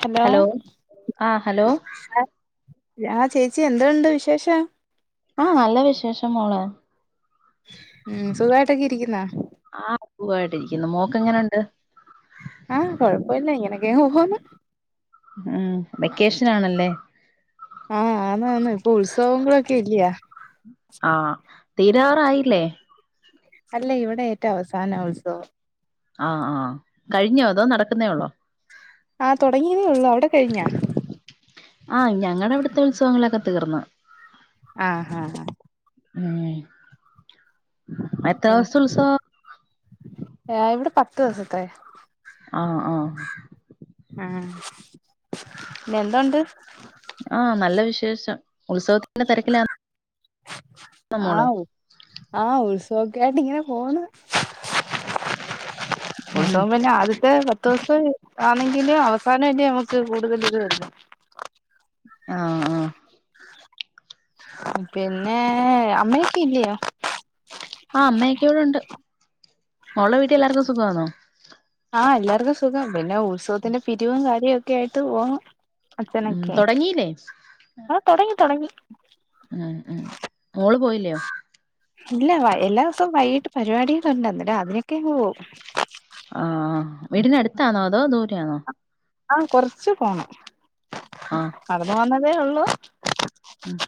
Hello ആ hello ആ ചേച്ചി എന്തോ ഉണ്ട് വിശേഷം? ആഹ് നല്ല വിശേഷം മോളെ ഉം സുഖമായിട്ടൊക്കെ ഇരിക്കുന്നൊ? ആഹ് സുഖമായിട്ടിരിക്കുന്നു മോക്ക് എങ്ങനുണ്ട്? ആഹ് കൊഴപ്പല്ല ഇങ്ങനക്കെയങ്ങ് പോന്നു ഉം വെക്കേഷൻ ആണല്ലേ? ആഹ് ആണ് ആണ് ഇപ്പൊ ഉത്സവങ്ങളൊക്കെ ഇല്ല്യാ ആഹ് തീരാറായില്ലേ? അല്ല ഇവിടെ ഏറ്റവും അവസാന ഉത്സവം ആഹ് ആഹ് കഴിഞ്ഞോ അതോ നടക്കുന്നേയുള്ളോ ആഹ് തുടങ്ങിയതേ ഉള്ളൂ അവിടെ കഴിഞ്ഞോ? ആഹ് ഞങ്ങടവിടുത്തെ ഉത്സവങ്ങളൊക്കെ തീർന്നു ആഹ് ആഹ് ആഹ് ഉം എത്ര ദിവസത്തെ ഉത്സവോ ഇവിടെ പത്ത് ദിവസത്തെ ആഹ് ആഹ് ഉം പിന്നെ എന്തോണ്ട്? ആഹ.. നല്ല വിശേഷം. ഉത്സവത്തിന്റെ തെരക്കിലാ. ആ.. ഉ.. ആഹ്. ഉത്സവൊക്കെ യിട്ടിങ്ങനെ പോണ്. ഉം ഉത്സവം പിന്നെ ആദ്യത്തെ പത്ത് ദിവസം ആന്നെങ്കില് അവസാനല്ലേ നമ്മ ക്ക് കൂടുതൽ ഇത് വരുന്നു. ആഹ്.. പിന്നെ അമ്മയൊക്കെ ഇല്ലിയോ? ആ അമ്മക്കെ ഇവിടെണ്ട് മോൾടെ വീട്ടിൽ എല്ലാർക്കും സുഖാന്നോ? ആഹ.. എല്ലാർക്കും സുഖം. പിന്നെ ഉത്സവത്തിന്റെ പിരിവും, കാര്യവും ഒക്കെ ആയിട്ട് പോന്ന്. ഉം.. തൊടങ്ങീല്ലേ? ആഹ്... തൊടങ്ങി, തൊടങ്ങി. ഉം മോള് പോയില്ലയോ ഇല്ല വൈ എല്ലാ ദിവസവും വൈകിട്ട് പരിപാടികള് ഒണ്ട്. അന്ന് രാവിലൊക്കെ പോവും ആഹ്... വീടിനടുത്താന്നോ അതോ ദൂരെയാന്നോ? ആഹ്... കൊറച്ച് പോണം. ആഹ് നടന്ന് വന്നതേ ഒള്ളു. ഉം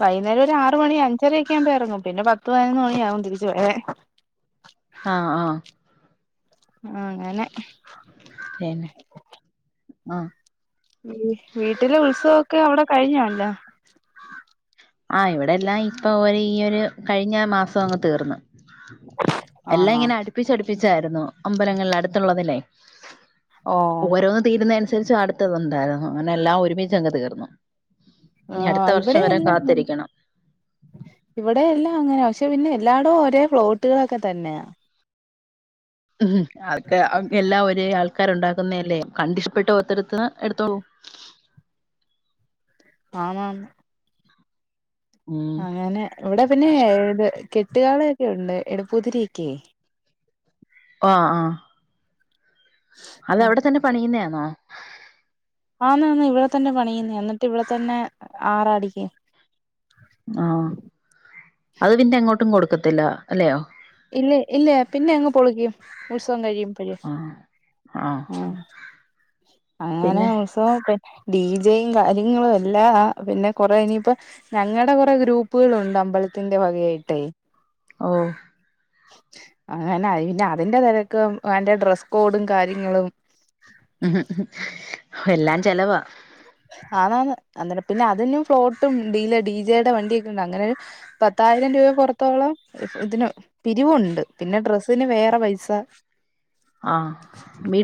വൈന്നേരം ഒരു ആറ് മണി അഞ്ചരെയൊക്കെ ആക്മ്പോ എറങ്ങും. പിന്നെ പത്ത് പതിനൊന്ന് മണിയാവും തിരിച്ച് വരാൻ. ആഹ് ആഹ്. അങ്ങനെ പിന്നെ, ആഹ്. വീട്ടിലെ ഉത്സവൊക്കെ അവിടെ കഴിഞ്ഞൊ എല്ലാം? ആഹ്. ഇവിടെയെല്ലാം ഇപ്പൊ ഒരു ഈ ഒരു കഴിഞ്ഞ മാസം അങ്ങ് തീർന്ന്. എല്ലാം ആണോ ഇങ്ങനെ അടുപ്പിച്ചടുപ്പിച്ചായിരുന്നു. അമ്പലങ്ങളിലെ അടുത്തുള്ളതിനെ ഓഹ് ഓരോന്ന് തീരുന്ന അനുസരിച്ച് അടുത്തത്ണ്ടായിരുന്നു. അങ്ങനെ എല്ലാം ഒരുമിച്ചങ്ങ് തീർന്നു. ഇനി അടുത്ത ആഹ് വർഷം വരാൻ കാത്തിരിക്കണം. ഇവടെ എല്ലാം അങ്ങനാ. പക്ഷെ പിന്നെ എല്ലാടോം ഒരേ ഫ്ലോട്ടുകളൊക്കെ തന്നെയാ. ഉഹും. അതൊക്കെ, അത് എല്ലാം ഒരേ ആൾക്കാര് ഉണ്ടാക്കുന്നെ അല്ലേ. കണ്ടിഷ്ടപ്പെട്ട് ഓരോത്തര്ത്ത്ന്ന് എടുത്ത് പോവും. ആന്നാന്ന് ഉം അങ്ങനെ ഇവടെ പിന്നെ ഇത് കെട്ടുകാളൊക്കെ ഉണ്ട് എടുപ്പൂതിരിയൊക്കെ. ഓഹ് ആഹ്. അല്ല അവിടെതന്നെ പണിയിന്നെയാന്നോ? ആന്നാന്ന് ഇവടെ തന്നെ പണിയുന്നേ എന്നിട്ട് ഇവിടെ തന്നെ ആറാടിക്കും. ആഹ്. അത് പിന്നെ എങ്ങോട്ടും കൊടുക്കത്തില്ല അല്ലയോ? ഇല്ലി. ഇല്ല. പിന്നെ അങ്ങ് പൊളിക്കും. ഉത്സവം കഴിയും. പ്പഴ് ആഹ് ആഹ്.. അങ്ങനെ പിന്നെ ഉൽസ് സവൊക്കെ ഡി ജെയും കാര്യങ്ങളും എല്ലാവാ. പിന്നെ കൊറേ ഇനിപ്പ ഞങ്ങടെ കൊറേ ഗ്രൂപ്പുകളുണ്ട് അമ്പലത്തിന്റെ വകയായിട്ടേ. ഓഹ് അങ്ങനെ അയ്ന അതിന്റെ തെരക്കും അതിൻ്റെ ഡ്രസ് കോഡും, കാര്യങ്ങളും ഉഹും ഉഹും എല്ലാം ചെലവാ. ആന്നാന്ന്. അന്നേരം പിന്നെ അതിന്നും ഫ്ലോട്ടും ഡീലെ ഡി ജെ ടെ വണ്ടിയൊക്കെ ഉണ്ട്. അങ്ങനൊരു പ ത്തായിരം രൂപ പുറത്തോളം ഇതിന് പിരിവുണ്ട്. പിന്നെ ഡ്രസ്സിന് വേറെ പൈസ.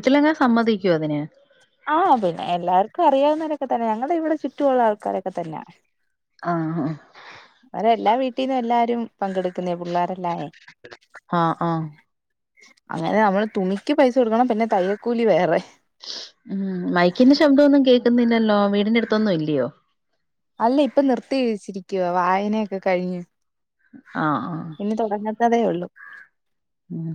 ത്തിലങ്ങ് സമ്മതിക്കൊ അതിന്? ആഹ്. പിന്നെ എല്ലാർക്കും അറിയാവുന്നരൊക്കെ തന്നെ. ഞങ്ങടെ ഇവിടെ ചുറ്റും ഉള്ള ആൾക്കാരൊക്കെ തന്നാ. ആഹ്ഹ്. അവരെല്ലാ വീട്ടീന്നും എല്ലാരും പങ്കെടുക്കുന്നെയാ പുള്ളാരെല്ലാവെ. ആഹ് ആഹ് അങ്ങനെ നമ്മള് തുണിക്ക് പൈസ കൊടുക്കണം. പിന്നെ തൈയ്യൽ ക്കൂലി വേറെ ഊം. മൈക്കിന്റെ ശബ്ദമൊന്നും കേക്കുന്നില്ലല്ലോ? വീടിന്റെ അടുത്തൊന്നും ഇല്ലയോ? അല്ല ഇപ്പം നിർത്തി വച്ചിരിക്കുവാ. വായനയൊക്കെ കഴിഞ്ഞ്. ആഹ് ആഹ് ഇനി തുടങ്ങത്തതേ ഉള്ളൂ ഉം.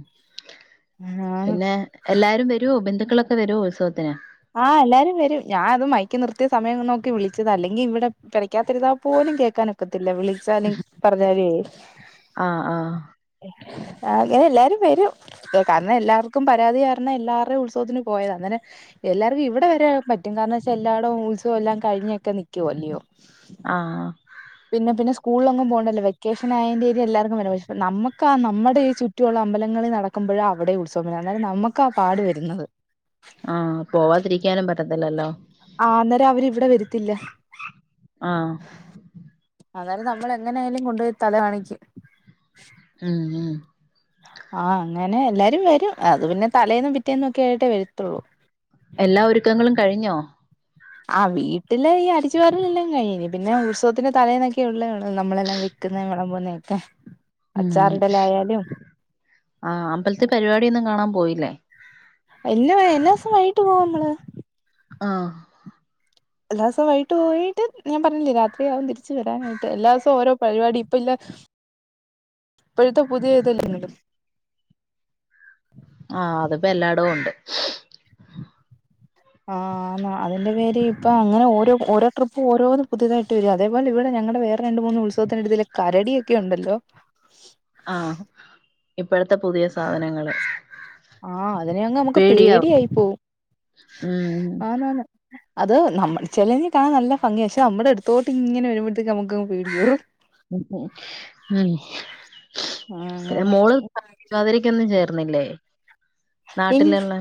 ആഹ് പിന്നെ എല്ലാരും വരുവോ ബന്ധുക്കളൊക്കെ വരുവോ ഉത്സവത്തിന് ആഹ് എല്ലാരും വരും ഞാനത് മൈക്ക് നിർത്തിയ സമയം നോക്കി വിളിച്ചതാ അല്ലെങ്കി ഇവടെ പെരയ്ക്കാത്തിരിന്നാ പോലും കേക്കാനൊക്കത്തില്ല വിളിച്ചാലും പറഞ്ഞാല്വേ. ആഹ് ആഹ് അങ്ങനെ എല്ലാരും വരും കാരണം എല്ലാവർക്കും പരാതി കാരണം എല്ലാർടെയും ഉത്സവത്തിന് പോയതാ അങ്ങനെ എല്ലാർക്കും ഇവടെ വരാൻ പറ്റും. കാരണം വെച്ചാ എല്ലാടോം ഉത്സവെല്ലാം കഴിഞ്ഞൊക്കെ നിക്കു അല്ലയോ. ആഹ് പിന്നെ പിന്നെ സ്കൂളിലൊന്നും പോണ്ടല്ലോ വെക്കേഷൻ ആയേന്റെ പേരിൽ എല്ലാർക്കും വരാ. പക്ഷെ നമക്കാ നമ്മുടെ ഈ ചു റ്റു ഉള്ള അമ്പലങ്ങളിൽ നടക്കുമ്പഴാ അവിടെയും ഉത്സവം വരുന്നത്. അന്നേരം നമുക്കാ പാട് വരുന്നത്. ആഹ് പോവാതിരിക്കാനും പറ്റത്തില്ലല്ലോ ആഹ് അന്നേരം അവരിവിടെ വെരത്തില്ല ആഹ് അന്നേരം നമ്മൾ എങ്ങനെ ആയാലും കൊണ്ടോയി തല കാണിക്കും. ഉം ഉം ആഹ് അങ്ങനെ എല്ലാരും വെരും അത് പിന്നെ തലേന്നും പിറ്റേന്നൊക്കെ ആയിട്ടേ വര്ത്തുള്ളൂ എല്ലാ ഒരുക്കങ്ങളും കഴിഞ്ഞോ ആ വീട്ടില് ഈ അരിച്ചുവാരെലെല്ലാം കഴിഞ് പിന്നെ ഉത്സവത്തിന്റെ തലേന്നൊക്കെ ക്കുള്ള ആണ് നമ്മളെല്ലാം വെക്കുന്ന വെളമ്പുന്നെയൊക്ക ഉം ആ അമ്പലത്തി പരിപാടിയൊന്നും കാണാൻ പോയില്ലേ എല്ല എല്ലാസം വൈകിട്ട് പോകും നമ്മള് ആഹ് എല്ലാസവും വൈട്ട് പോയിട്ട് ഞാൻ പറഞ്ഞില്ലേ രാത്രിയാവും തിരിച്ചു വരാനായിട്ട് എല്ലാസവും ഓരോ പരിപാടി ഇപ്പം ഇല്ല ഇപ്പഴ്ത്തെ പുതിയ ഇതല്ലേ നിങ്ങള് ആഹ് അതിപ്പോ എല്ലാടവും ഒണ്ട് ആഹ് അതിന്റെ പേരീ ഇപ്പൊ അങ്ങനെ ഓരോ ഓരോ ട്രിപ്പ് ഓരോന്ന് പുതിയതായി ട്ട് വെര അതെപോലെ ഇവിടെ ഞങ്ങടെ വേറെ രണ്ട് മൂന്ന് ഉത്സവത്തിന്റെടുത്ത് ഇല്ല കരടി ഒക്കെ ഒണ്ടല്ലോ ആഹ് ഇപ്പഴ്ത്തെ പുതിയ സാധനങ്ങള് ആഹ് അതിനെ അങ്ങ് നമുക്ക് പേടിയാവും പേടിയായി പോവും ഉം ആന്നാന്ന് അത് നമ്മ ചെലതി കാണൻ നല്ല ഭംഗിയ പക്ഷെ നമ്മുടെ അടുത്തോട്ട് ഇങ്ങനെ വരുമ്പഴ്ത്തേക്ക് നമുക്കങ് പേടിയാവും ഉം ഉം ആഹ് ഉം അങ്ങനെ മോള് തിരുവാതിരക്കൊന്നും ചേർന്നില്ലേ നാട്ടിലൊള്ള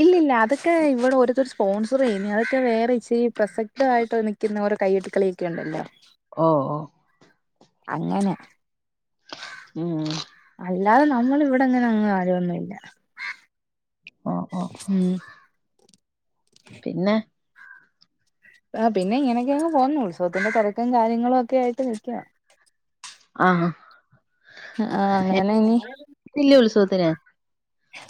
ഇല്ലില്ല അതൊക്കെ ഇവിടെ ഓരോരുത്തര് സ്പോൺസർയ്യുന്നയാ അതൊക്കെ വേറെ ഇച്ചിരി പ്രസക്തായിട്ട് നിക്കുന്ന ഓരോ കൈകൊട്ടികളിയൊക്കെയുണ്ടല്ലോ ഓ ഓ അങ്ങനെ ഉം അല്ലാതെ നമ്മൾ ഇവിടെ ഇങ്ങനെ അങ്ങനെ അങ്ങ് ആരൊന്നുല്ല ഓ ഓ ഉം പിന്ന ആ പിന്ന ഇങ്ങനൊക്കെ അങ് പോന്നു ഉത്സവത്തിന്റെ തൊറക്കും കാര്യങ്ങളൊക്കെ ആയിട്ട് നിക്ക ആഹാ ആഹ് അങ്ങനെ ഇനി എത്തില്ലേ ഉത്സവത്തിന്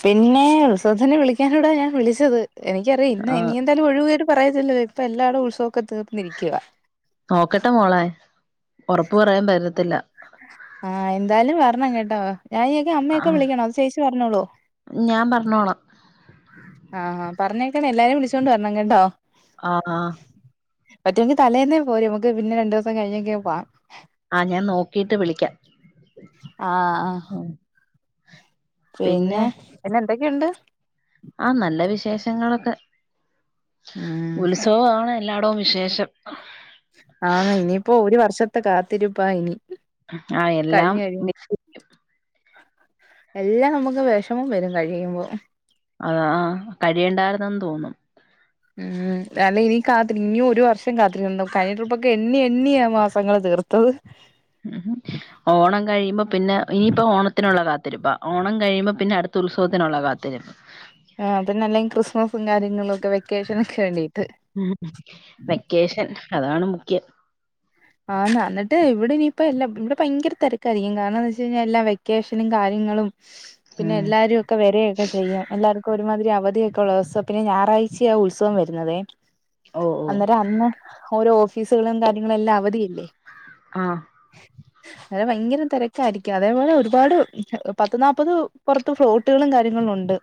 പിന്നെ ഉ ഉത്സവന് വിളിക്കാനൂടാ ഞാൻ വിളിച്ചത് എനിക്കറിയാം ഇന്ന് ഇനി ആഹ് എന്താലും ഒഴുവുകേട് പറയര്തല്ലോ ഇപ്പ എല്ലാടവും ഉത്സവം ഒക്കെ തീർന്നിരിക്കുവ നോക്കട്ടെ മോളെ ഒറപ്പ് പറയാൻ പറ്റത്തില്ല ആഹ് എന്തായാലും വെർണം കേട്ടോ ഞാനിനിയൊക്കെ അമ്മയൊക്കെ ആഹ് വിളിക്കണോ അതോ ചേച്ചി പറഞ്ഞോളുവോ ഞാൻ പറഞ്ഞോളാം ആഹാ പറഞ്ഞേക്കണെ എല്ലാവരേം വിളിച്ചോണ്ട് വെരണം കേട്ടോ ആഹ് ഹാ പറ്റുവെങ്കി തലേന്നേ പോര് നമുക്ക് പിന്നെ രണ്ടോസം കഴിഞ്ഞൊക്കെ പോവാം ആഹ് ഞാൻ നോക്കിട്ട് വിളിക്കാ ആഹ് പിന്നെ പിന്നെ എന്തൊക്കേണ്ട് ആഹ് നല്ല വിശേഷങ്ങളൊക്കെ ഉം ഉത്സവവാണ് എല്ലാടവും വിശേഷം ആന്ന് ഇനിയിപ്പോ ഒരു വർഷത്തെ കാത്തിരുപ്പാ ഇനി ആഹ് എല്ലാം കഴിഞ്ഞു കഴിഞ്ഞു മിക്സ് എല്ലാം നമക്ക് വെഷമം വെരും കഴിയുംമ്പോ അതാഹ് കഴിയെണ്ടാര്ന്നെന്ന് തോന്നും മ് അല്ല ഇനി കാത്തി ഇനി ഒരു വർഷം കാത്തിരിക്കണം കഴഞ്ഞ ട്രിപ്പൊക്കെ എണ്ണി എണ്ണിയാ മാസങ്ങള് തീർ ത്തത് ഉ ഹും ഓണം കഴിയുമ്പം പിന്നെ ഇനിയിപ്പോ ഓണത്തിനുള്ള കാത്തിരിപ്പാ ഓണം കഴിയുമ്പം പിന്നെ അടുത്ത ഉത്സവത്തിനുള്ള കാത്തിരുപ്പ് ആഹ് പിന്നെ അല്ലങ്കി ക്രിസ്മസും കാര്യങ്ങളും ഒക്കെ വെക്കേഷന് ഒക്കെ വേണ്ടി മ് വെക്കേഷൻ അതാണ് മുഖ്യം ആഹ് എന്നിട്ട് ഇവിടെ ഇനിയിപ്പം എല്ലാം ഇവിടെ ഭയങ്കര തെരക്കായിരിക്കും കാരണം എന്തന്ന് വെച്ചഴിഞ്ഞാൽ എല്ലാ വെക്കേഷനും കാര്യങ്ങളും പിന്നെ ഉം എല്ലാരും ഒക്കെ വരയൊക്കെ ചെയ്യും എല്ലാവർക്കും ഒരുമാതിരി അവധിയൊക്കെ ഉള്ളോസാ പിന്നെ ഞായറാഴ്ചാ ഉത്സവം വരുന്നതേ ഓ ഓ അന്നേരം അന്ന് ഓരോ ഓഫീസുകളും കാര്യങ്ങളും എല്ലാം അവധിയില്ലേ ആഹ് അതെ ഭയങ്കരം തിരക്കായിയിരിക്കും അതേപോലെ ഒരുപാട് പത്ത് നാപത് പുറത്ത് ഫ്ലോട്ടുകളും കാര്യങ്ങളും ഉണ്ട്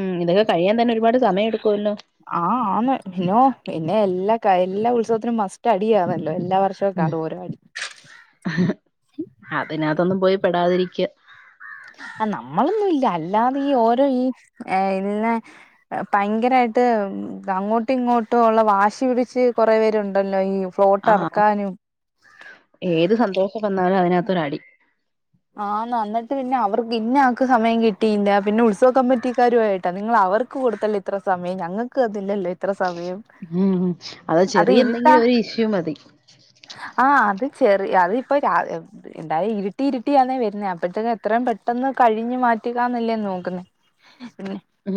ഉം ഇതൊക്കെ കഴിയാൻ തന്നെ ഒരുപാട് സമയം എടുക്കുവല്ലോ ആഹ് ആന്ന് നോ പിന്നെ എല്ലാ എല്ലാ ഉത്സവത്തിനും മസ്റ്റ് അടിയാണല്ലോ എല്ലാ [unintelligible] അതിന് അതൊന്നും പോയി പെടാതിരിക്ക ആ നമ്മളൊന്നും ഇല്ല അല്ലാതെ ഈ ഓരോ ഈ ഏ ഇല്ല പയങ്കരായിട്ട് അങ്ങോട്ടും ഇങ്ങോട്ടുള്ള വാശി പിടിച്ച് കൊറെേ പേരുണ്ടല്ലോ ഈ ഫ്ലോട്ട് ആഹ് എറക്കാനും ഏത് സന്തോഷം വന്നാലും അതിനകത്തൊരു അടി ആഹ് അന്നിട്ട് പിന്നെ അവർക്ക് ഇന്നാക്ക് സമയം കിട്ടിയില്ല പിന്നെ ഉത്സവ കമ്മിറ്റിക്കാരു ആയിട്ടാ നിങ്ങളഅവർ ക്ക് കൊടുതല്ലോ ഇത്ര സമയം ഞങ്ങക്ക് തന്നില്ലല്ലോ ഇത്ര സമയം മ് അത് ചെറിയ എന്തെങ്കിലും ഒരു ഇഷ്യൂ മതി ആഹ് അത് ചെറിയ അത് ഇപ്പം എന്താ ഇരുട്ടിര് ഇരുട്ടിയാന്നേ വരുന്നേ അപ്പഴത്തേക്ക് എത്രയും പെട്ടെന്ന് കഴിഞ്ഞു മാറ്റുക്കാന്നല്ലേ നോക്കുന്നേ ഉം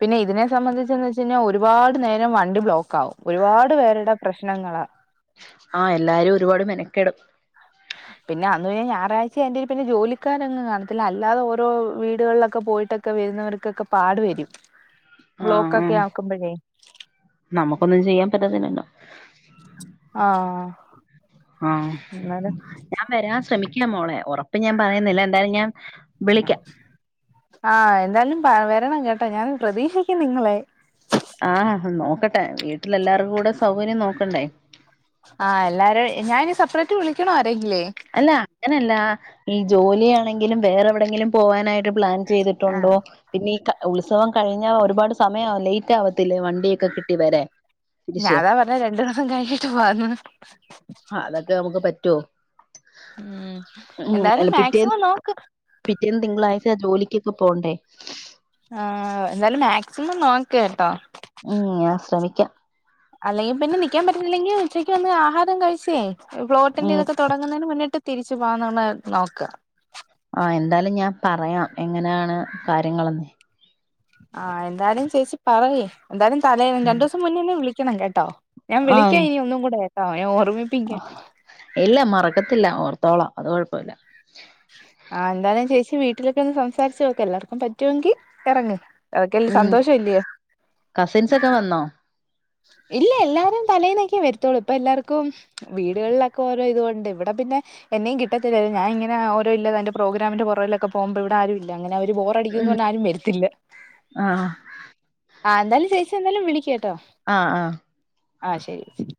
പിന്നെ ഇതിനെ സംബന്ധിച്ച് എന്ന് വെച്ചഴിഞ്ഞാൽ ഒരുപാട് നേരം വണ്ടി ബ്ലോക്ക് ആവും ഒരുപാട് പേരുടെ പ്രശ്ണങ്ങള് ആഹ് എല്ലാരും ഒരുപാട് മെനക്കെടും [inaudible] പിന്നെ അന്ന് പിന്നെ ഞായറാഴ്ച്ച ആയോണ്ട് ജോലിക്കാരൊന്നും കാണത്തില്ലാ അല്ലാതെ ഓരോ വീടുകളിലൊക്കെ പോയിട്ട് ഒക്കെ വരുന്നവർക്കൊക്കെ പാട് വരും ആഹ് ആഹ് ബ്ലോക്കൊക്കെ ആക്കുമ്പോഴേ നമുക്കൊന്നും ചെയ്യാൻ പറ്റത്തില്ലല്ലോ ആഹ് ആഹ് എന്നാലും ഞാ വരാൻ ശ്രമിക്ക ശ്രമിക്ക മോളെ ഉറപ്പ് ഞാൻ പറയുന്നില്ല എന്തായാലും ഞാൻ വിളിക്ക ആഹ് എന്താലും വരണം കേട്ടാ ഞാൻ പ്രതീക്ഷിക്കും നിങ്ങളെ ആഹ് നോക്കട്ടെ വീട്ടിലെല്ലാരും കൂടെ സൗകര്യം നോക്കണ്ടേ ആഹ് എല്ലാരും ഞാനി സെപ്പറേറ്റ് വിളിക്കണോ ആരെങ്കിലേ അല്ല അങ്ങനല്ല ഈ ജോലിയാണെങ്കിലും വേറെ എവിടെയെങ്കിലും പോവാനായിട്ട് പ്ലാൻ ആഹ് ചെയ്തിട്ടുണ്ടോ പിന്നെ ഈ ഉത്സവം കഴിഞ്ഞാ ഒരുപാട് സമയം ലേറ്റ് ആവത്തില്ലേ വണ്ടിയൊക്കെ കിട്ടി വരാൻ തിരിച്ച് ഞാനതാ പറഞ്ഞേ രണ്ടു ദിവസം കഴിഞ്ഞിട്ട് പോകാന്ന് ആ, അതൊക്കെ നമുക്ക് പറ്റുവോ ഉം ഉം അല്ല എന്തായാലും പിറ്റേന്ന് മാക്സിമം നോക്ക് പിറ്റേന്ന് തിങ്കളാഴിച്ച ജോലിക്കൊക്കെ പോണ്ടേ ആഹ് എന്തായാലും മാക്സിമം നോക്ക്ട്ടോ? ഉം ഞാൻ ശ്രമിക്കാം അല്ലെങ്കിൽ പിന്നെ നൽക്കാൻ പറ്റുന്നില്ലെങ്കിൽ ഉച്ചയ്ക്ക് വന്ന് ആഹാരം കഴിച്ചേ ഫ്ലോട്ടിന്റെ ഉം ഇതൊക്കെ തുടങ്ങുന്നതിന് മുന്നിട്ട് തിരിച്ചു പോകുന്നത് നോക്കുക ആഹ് എന്തായാലും ഞാൻ പറയാം എങ്ങനെയാണ് കാര്യങ്ങളെന്ന്. ആഹ് എന്തായാലും ചേച്ചി പറയ് എന്തായാലും തലേ രണ്ടു ദിവസം മുന്നേന്നെ വിളിക്കണം കേട്ടോ ഞാൻ വിളിക്കാ ആഹ് ഇനി ഒന്നും കൂടെ കേട്ടോ ഞാൻഓർമ്മി ഇല്ല മറക്കത്തില്ല ഓർത്തോളാംഅത് കൊഴപ്പല്ല. ആ എന്തായാലും ചേച്ചി വീട്ടിലൊക്കെ ഒന്ന് സംസാരിച്ചു നോക്ക്എല്ലാർക്കും പറ്റുമെങ്കി ഇറങ് അവർക്ക് അതിൽ ഉം സന്തോഷം ഇല്ലേ കസിൻസൊക്കെ വന്നോ ഇല്ല എല്ലാരും തലെന്നൊക്കെ വരുത്തള്ളൂ ഇപ്പൊ എല്ലാർക്കും വീടുകളിലൊക്കെ കെ ഓരോ ഇതുകൊണ്ട് ഇവിടെ പിന്നെ എന്നെയും കിട്ടത്തില്ലല്ലോ ഞാൻങ്ങനെ ഓരോ ഇല്ല അതിന്റെ പ്രോഗ്രാമിന്റെ പുറകിലൊക്കെ പോകുമ്പോ ഇവിടെ ആരും ഇല്ല അങ്ങനെ അവര് പേ പഠിക്കുന്നതൊട് ആരും വരത്തില്ല ആഹ് ആ എന്തായാലും ചേച്ചി എന്താലും വിളിക്ക് കേട്ടോ ആഹ് ആഹ് ആ ശരി